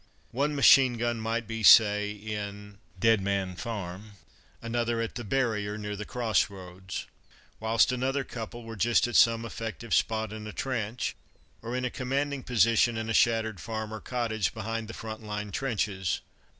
One machine gun might be, say, in "Dead Man Farm"; another at the "Barrier" near the cross roads; whilst another couple were just at some effective spot in a trench, or in a commanding position in a shattered farm or cottage behind the front line trenches.